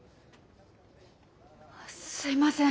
すみません